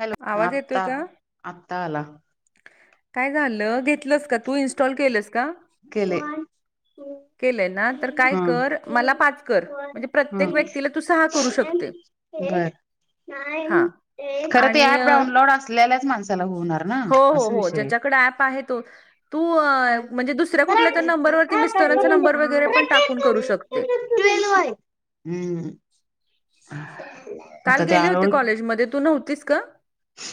Hello आवाज येतोय आता का? आता आला काय झालं घेतलंस का तू इनस्टॉल केलंस का केले केलंय ना तर काय हा कर मला पाच कर हा म्हणजे हा. प्रत्येक व्यक्तीला तू सहा करू शकते. हा खर ते आणि पाहून अ, डाउनलोड असच माण होणार ना हो हो असा हो विषय आहे ज्याच्याकडे ऍप आहे तो तू म्हणजे दुसरा दुसऱ्या कुठल्या तर नंबरती मिस्टरांचा नंबर वगैरे पण टाकून करू शकते ल हम्म ह काल गेले होते कॉलेजमध्ये तू नव्हतीस का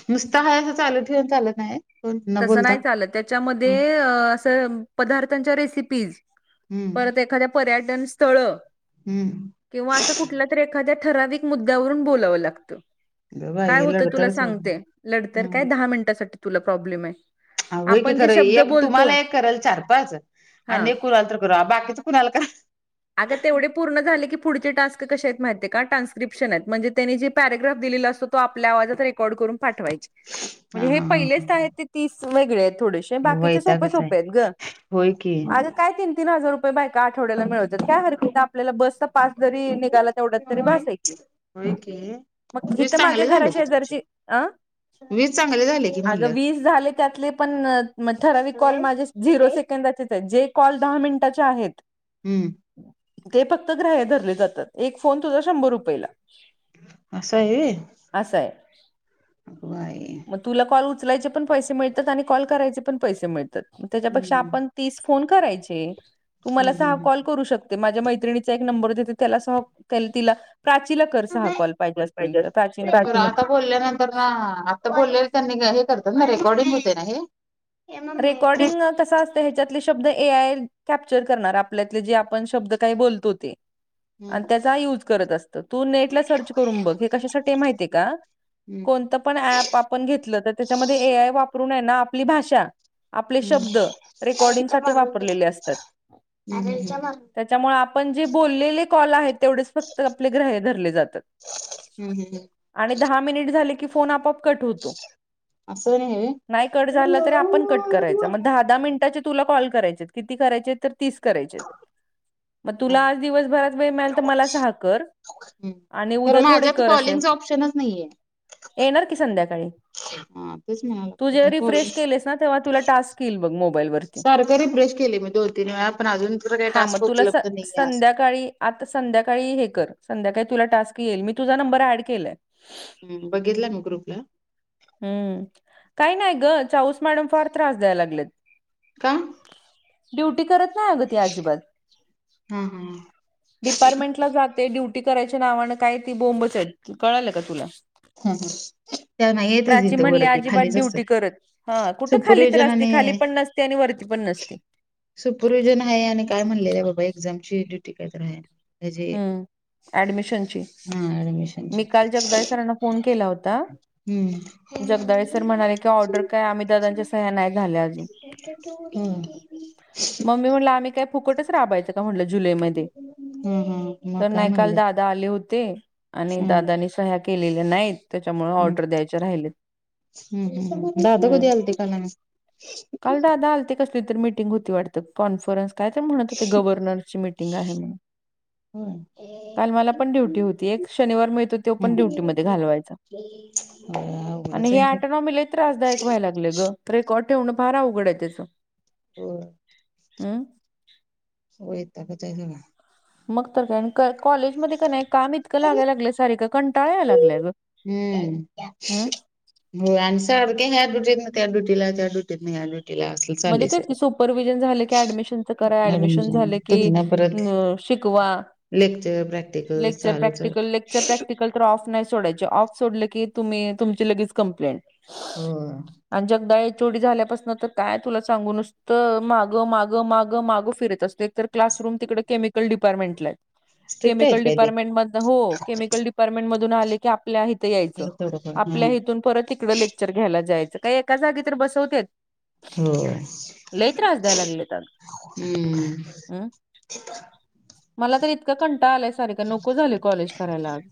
नुसत हा असं चालू ठेवन चालत नाही कोण न तसं बोलता नाही चालं त्याच्यामध्ये असं पदार्थांच्या रेसिपीज हम्म परत एखाद्या पर्यटन स्थळ हम्म किंवा असं कुठल्या तर एखाद्या ठराविक मुद्द्यावरून बोलावं लागतं ग काय बाई होत तुला लडतडच आहे सांगते लढत हम्म काय दहा मिनिटासाठी तुला प्रॉब्लेम आहे ह हो की आपण जे खरं शब्द एक बोलतो तुम्हाला एक कराल चार पाच हा आणि एक कराल तर करू बाकीच कुणाल का आता तेवढे पूर् झाले की पुढचे टास्क कशा आहेत माहितीय का ट्रान्स्क्रिप्शन आहेत म्हणजे त्यानी जे पॅरग्राफ दिलेलं असतो तो आपल्या आवाजात रेकॉर्ड करून पाठवायचे हा म्हणजे हे हा पहिलेच हा आहेत ते तीस वेगळे आहेत थोडेसे हे बाकीचे सोपे वैतागच आहे सोप आहेत ग होय की काय तीनी हजार रुपयेय आवड्याला मिळत काय आपल्याला बसचा पास जरी निघाला तेवढ्यात तरी बास ऐ क होय की मग हिथ वीज माझ्या चांगले घरा झाले की तुमचे शेजारची अन् वीज चांगली झाले अग म्हणलं वीस झाले त्यातले पण ठरावी कॉल माझे झिरो सेकंदाचेच आहे जे कॉल दहा मिनिटाचे आहेत हम्म ते फक्त ग्राह्य धरले जातात एक फोन तुझा शंभर रुपयेला अससं आहे असा आहे बाई मग तुला कॉल उचलायचे पण पैसे मिळतात आणि कॉल करायचे पण पैसे मिळतात त्याच्यापेक्षा हम्म आपण तीस फोन करायचे तुम्हाला हम्म सहा कॉल करू शकतो ते माझ्या मैत्रिणीचा एक नंबर देते त्याला सह त्या तिला प्राचीला करस हा हम्म कॉल पाहिजे असतील तर अस प्राचीन तर आता बोलल्यांत ना आता बोललेले त्यांनी हे करतात ना रेकॉर्डिंग होते ना हे हम्म रेकॉर्डिंग कस अस ह्याच्यातले शब्द ए आय कॅप्चर करणार आपल्यातले जे आपण शब्द काही बोलतो ते आणि त्याचा युज करत असत तू नेटला सर्च करून बघ हे कशासाठी माहिती का हम्म कोणत पण अँप आपण घेतलं तर त्याच्यामध्ये ए आय वापरूनय ना आपली भाषा आपले शब्द रेकॉर्डिंग साठी वापरलेले असतात हम्म त्याच्यामुळे आपण जे बोललेले कॉल आहेत तेवढेच फक्त आपले ग्राह्य धर जात हम्म हम्म आणि दहा मिनट झाल की फोन आपोआप कट होतो नाही कट झाला तर आपण कट करायच होय. दहा दहा मिनिटाचे तुला कॉल करायचे किती करायचे तर किती करायचे तीस करायचे म तुला आज दिवसभरात वेळ मिळालं तर मला सहा कर. ह आणि तर उद्या थोडे माझ्यात कर असे कॉलिंगच ऑप्शनच नाहीये. येणार की संध्याकाळी हा तू जे तेच रिफ्रेश केलेस ना तेव्हा तुला [unintelligible] टास्क येईल बघ मोबाईल वरती सारखं रिफ्रेश केलय मी दोन, तीन वेळा पण अजू- हा मग टास्क तुला स- उपलब्ध नाहीे अस संध्याकाळी आता संध्याकाळी हे कर संध्याकाळी तुला टास्क येईल मी तुझा नंबर ऍड केलाय हम्म बघितला मी ग्रुप ला हम्म काही नाही ग चाऊस मॅडम फार त्रास द्याय लागलेत का ड्युटी करत नाही अगं ते अजिबात हा हा हा डिपार्टमेंट ला जाते ड्युटी करायच्या नावानं काय ती बोंब च कळालं का तुला हा, हा. त्या नाही येतच प्राची इथं म्हणली वरती अजिबात खालीच असतात ड्युटी करत हा कुठं खाली तर सुपरवि्हजन असते खाली आणि पण नसते आणि वरती पण नसते सुपरविझन आहे आणि काय म्हणलेलं बाबा एक्झामची डुटी काहीतर आहे त्याचे हम्म ऍडमिशनची हा मी ऍडमिशनचे काल जगदाळे सराना फोन केला होता हम्म जगदाळे सर म्हणाले की ऑर्डर काय अमित दादांच्या सह्या नाही झा मग मी म्हणलं आम्ही काय हम् फुकटच राबायचं का म्हटलं जुलैमध्ये हम् हम् तर नाही काल दादा आले होते आणि हम्म दादानी सह्या केलेल्या नाहीत. त्याच्यामुळे हम्म ऑर्डर द्यायचे राहिलेत हम्म दादा हम्म कधी आलते काल आणि काल दादा आलते कसली तर मीटिंग होती वाढत कॉन्फरन्स काय तर म्हणत होते गव्हर्नरची मीटिंग आहे म्हणून. काल मला पण ड्युटी हम्म होती एक शनिवार मिळतो त्यो पण ड्यूटीमध्ये घालवायचा. होय आणि अवघडच हे आहे सगळं आटोनॉमी लय त्रासदायक व्हायला ग रेकॉर्ड ठेवण फारा अवघड आहे त्याच होय वैतागच आहे सगळा मग तर काय अन् कॉलेजमध्ये कनय काम इतकं लागाय लागलं सारिका कंटाळ याय लागलंय ग हम्म हम् होय आणि सारखं ह्या डुटीतन त्या डुटीला त्या डुटीतन या डुटीला अस म्हणजे तेच की सुपरव्हिजन झाले की ऍडमिशनच करा ऍडमिशन झाल की तिथनं परत अ शिकवा लेक्चर प्रॅक्टिकल लेक्चर चालूच आहे प्रॅक्टिकल, लेक्चर प्रॅक्टिकल तर ऑफ नाही सोडायचे ऑफ सोडलं की तुम्ही तुमची लगेच कंप्लेंट होय आणि जगदाळे एच ओ डी झाल्यापासन तर काय तुला सांगू नुसत तर मागं माग मागं मागं फिरत असतोय एक तर क्लासरूम तिकड केमिकल डिपार्टमेंटला आहेत. स्ट्रिक्ट आहेत केमिकल काय ते डपार्टमेंटमधन हो केमिकल डिपार्ट पार्टमेंट मधून आले की आपल्या इथ यायचं थोडंफार हा आपल्या इथून परत तिकड लेक्चर घ्यायला जायचं काय एका जागी तर बसवत्यात होय लई त्रास द्याय लागल्यात अगं हम्म हम् मला तर इतका कंटाळा आलाय सारीका नको झालंय कॉलेज करायला अगं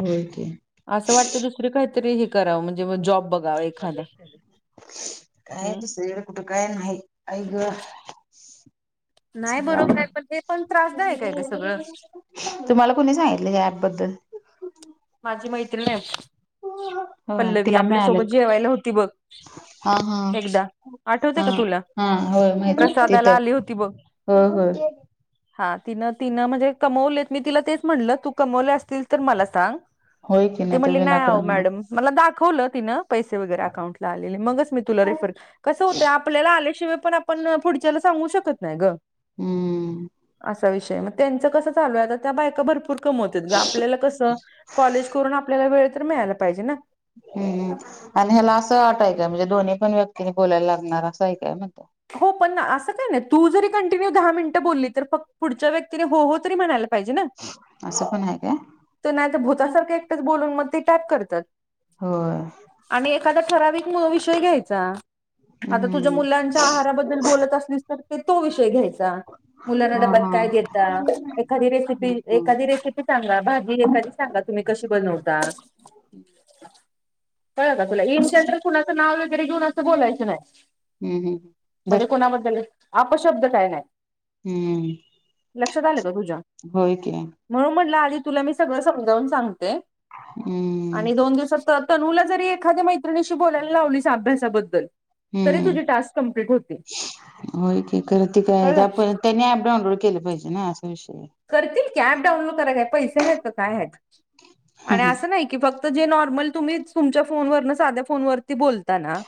होय की असं वाटतं दुसरी काहीतरी हे करावं म्हणजे म जॉब बघ [inaudible] काय हं. ते [unintelligible] कुठे काय नाही आई ग [inaudible] नाही बरोबर आहे पण हे पण त्रासदायक आहे गं सगळं तुम्हाला कोणी सांगितलं ह ऍप बद्दल माझी मैत्रिन ण होय पल्लवी तिला आपल्यासोबत मिळालेत जेवायला होती बघ हा हा एकदा आठवते हा का तुला हा प्रसादाला आली होती बघ हो हा हा तिनं तिनं म्हणजे कमवलेत मी तिला तेच म्हणलं तू कमवले असतील तर मला सांग होय की ते तर म्हणले नाही विनाकारण हम्म मॅडम मला दाखवलं तिनं अउं म मी तु रेर कस आपल्या आल्याशियण पण पुढच्याला सांगू शकत नाही ग विषय मग त्यांच कसं चालू आहेता त्या बायका भरपूर कमवत ग आपल्याला कस कॉलेज करून आपल्याला वेळ तर मिळायला पाहिजे ना हम् आणि ह्याला असं वाट ऐकाय म्हणजे दोन्ही पण व्यक्तीनी बोलायला लागणार असं ऐ काय मणत हो पण ना असं काय नाही तू जरी कंटिन्यू दहा मिनिटं बोलली तर फ पुढच्या व्यक्तीने हो हो तरी म्हणायला पाहिजे ना असं पण आहे काय त नाही तर भूतासारखं एकटंच बोलून मग ते [unintelligible] करतात होय आणि एखादा ठराविक म अ विषय घ्यायचा आता तुझ्या हम्म मुलां आहाराबद्दल बोलत असलीस तर ते तो विषय घ्यायच मुला हा हा बकाय घेत हम्म एखादी रेसिपी हम्म हम्म एखादी रेसिपी सांगा भाजी एखादी सांगा तुम्ही कशी बनवता कळ ना तुला एशियातं कुणाचं नाव वगैरे घेऊन असं बोलायचं नाही हम्म धर म्हणजे कोणाबद्दल अशब्द काही नाही हम्म लक्षात आलं का तुझ्या होय की म्हण म्हटलं आध तुला मी सगळं समजावून सांगते हम्म आणि दोन दिवसात तर तनूला जरी एखाद्या मैत्रिशी बोलायला लावली अभ्यासाबद्दल तरी हम्म तुझी टास्क कंप्लीट होतील होय क खरं ते काय कळलं त्याप त्यांनी अऍप डाऊनलोड केलं पाहिजे ना असा विषय करतील की प डाउनलोड करा काय पैसे आहेत काय आहेत आणि असं नाही की फक्त जे नॉर्मल तुम्ही तुमच्या फोन व न साध्या फोन वरती बोलता ना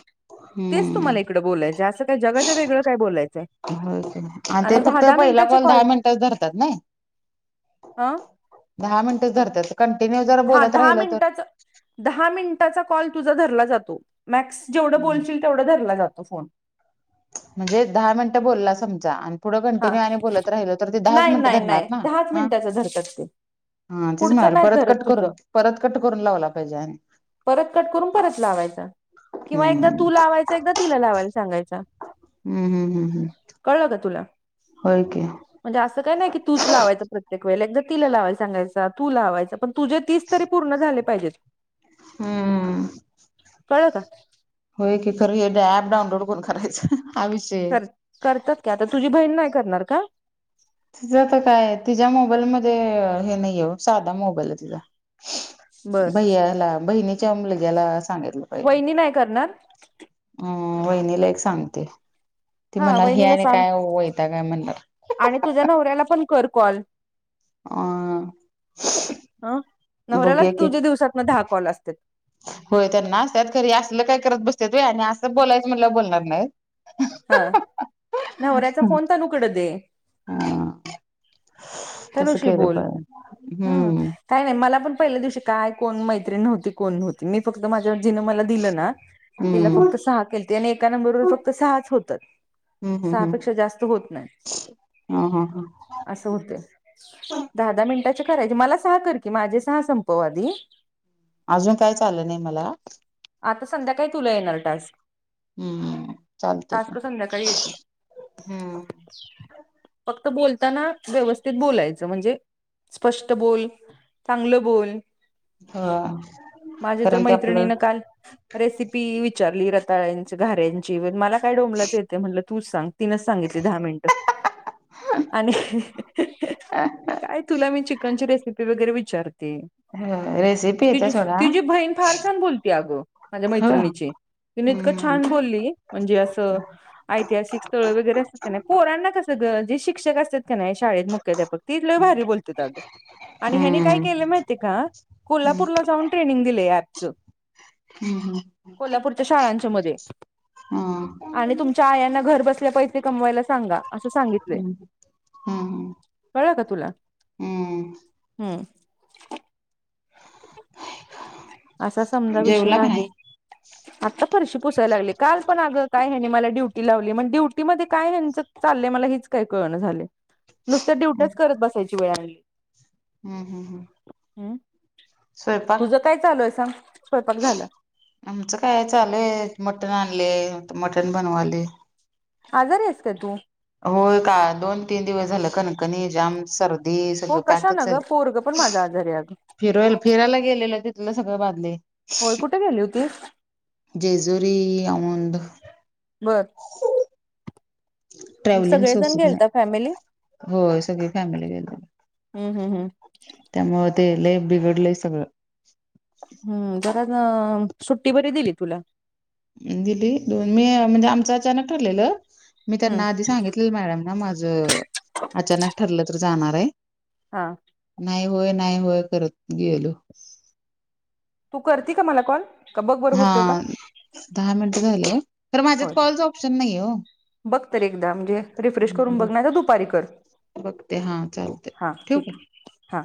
तेच हम्म तुम्हाला इकडे बलायचं असं का जगा वेगळं काय बलायचंय हो आणि ते फक्त पहिला कॉल दहा मिनिटच धरतात ना आा दहा मिनटच धरतात कंटिन्यू जर हा बोलत दहा राहिलं तर मिनिटाच दहा मिनिटाचा कॉल तुझा धरला जातो मॅक्स जेवढ बोलशील तेवढ धरला जातो फोन म्हणजे दहा मिनिटं बोलला समजा पुढं हा कंटिन्यू आणि बोलत राहिल तर ते दहाच नाही मिनिटं नाही धरणार नाही ना दहाच ह मिनिटाचा धरतात ते हा तेच पुढचं म्हणाले नाही परत धरत कट करून तुझं परत कट करून लावला पाहिजे आणि परत कट करून परत लावायचा किंवा एकदा हम्म तू लावायच एकदा तिला लावायला सांगयचा हम् हम् हम् हम कळलं का तुला हो का म्हणजे असं काय नाही की तूच लावायच प्रत्ये वेळेला जदा तिला लावाय सांगायं तू लावायं पण तुझे तीस तरी पूर्ण झाले पाहिजेत हम्म. कळलं का? होय की करूया डॅ ॲप डाऊनलोड करून करायचं आविष कर करतात की आता तुझी बहीण नाहीं करणारं का? तिचा त काय तिच्या मोबाईल मध्ये अ हे नाहीये ओ साधा मोबाईलय तिचा. बर भैयाला बहिणीच्या मुलग्याला सांगितलं. पाहिजे वहिनी नाही करणार? अ वहिनीला एक सांगते ती हा म्हणाल हे वहिनीला आणि सांग काय वैतागय म्हणणार. आणि तुझ्या नवऱ्याला पण कर कॉल. अ अं बघूया नवऱ्यालाच की तुझ्या दिवसांत न दहा कॉल असत्यात. होय त्यांना असतात खरी असलं काय करत बसत्यात व्हय आणि आसं बोलायचं म्हणल्यावर बोलणारं नाहीं. हां नवऱ्याचा फोन तणूकड दे. हा तसं तणूशी केलं बोल पाहिजे हम्म. काही नाही मला पण पहिल्या दिवशी काय कोण मैत्री नव्हती कोण नव्ह मी फक्त माझ्याव जीन मला दिलं ना तिला हम्म फक्त सहा केलते आणि एका नंबर फक्त सहाच त हम्म हम्म हम्म सहापेक्षा जास्त होत नाहींत. हा हा हा असं होतय. दहा दहा मिनटाचे करायचे, मला सहा कर की माझे सहा संपव आधी आजून काहीच आलं नाही मला. आता संध्याकाळी तुला येणारं टास्क. हम्म चालतय की टास्क संध्याकाळी येतील हम्म. फक्त बोलतांना व्यवस्थित बोलायचं म्हंजे स्पष्ट बोल चांगल बोल. हो माझ्या तर कारण ते आपलं मैत्रिणीन काल रेसिपी विचारली रताळंयाच घारे यांची प मला काय डोमलाचं येतय म्हणलं तूच सांग तिनच सांगितली दहा मिनटं. आणि काय तुला मी चिकनची रेसिपी वगैरे विचार ते. हो रेसिपी येत्या तिची फ सोडा तिची बहीण फार छान बोलती आग माझ्या हो मैत्रिणीची. तिनी इतकं हम्म छान बोलली म्हंजे आस अ ऐतिहासिक स्थळ वगैरे असतात का नाही, पोरांना कसं ग जे शिक्षक असतात की नाही शाळेत मु ख्याध्यापक ते लई भारी बोलत्यात आगं. आणि ह्यानी काय हम्म केल माहितीय का कोल्हापूरला जाऊन ट्रेनिंग दिले ॲपच. हम्म हम्म. कोल्हापूरच्या शाळांच्या मध्ये. हम्म. आणि तुमच्या आयांना घर बसल्या पैसे कमवायला सांगा. असं सांगितलय हम्म कळलं का तुला? हम्म हम्म. असा समदा विषय जेवला का नाही आहे. आता फरशी पुसायला लागली काल पण आगं काय ह्यानी मला ड्युटी लावली म ड्युटी मध्ये काय ह्यांच चाललय मला हेच काई कळना झालय नुस्त्या ड्युटयाच करत बसायची वेळ आणली. हम्म हम्म हम्म. हम्म स्वयंपाक तुझं काय चालूय सांग? स्वयंपाक झाला. आमचं काय चालूय मटण आणलय मटण बनवाले. आजारी आहेस का तू? होय का दोन तीन दिवस झालं कणकणी जाम सर दी हो सगळं कशा पॅकच ना गं पोरगं पण झाले माझं आजारी आहे अगं फिरवायला फिरायला गेलेलं तिथलं सगळं बाधलय. होय कुठे गेली होतीस? जेजुरी औंध. बर मग ट्रॅव्हलिंग सगळेजण सोसत नाही, गेलता फॅमिली होय सगळी फॅमिली गेल हम्म हम्म हम्म त्यामुळं ते लय बिघडलंय सगळं. हम्म, [unintelligible] सुट्टी बरी दिली तुला. दिली, दोन मी म्हणजे आमचं अचानक ठरलेलं, मी हम्म त्यांना आधी सांगित की मॅडम ना माझं अचानक ठरलं तर जाणार आहे. हा नाही होय नाही होय करत गेलो. तू करते का मला कॉल? का बघ बरं हा होतोय का दहा मिनिट झाले, तर माझ्यात होय कॉलच ऑप्शन नाही हो. बघ तर एकदा म्हणजे, रिफ्रेश करून बघ नाहीतर दुपारी कर. बघते हा चालते, ठेऊ का? हां